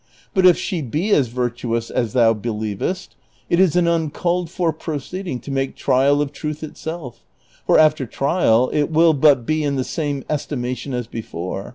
but if she be as 278 DON QUIXOTE. virtuous as thou believest, it is an uncalled for proceeding to make trial of truth itself, for, after trial, it will but be in the same estimation as before.